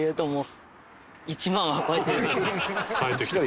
「変えてきた」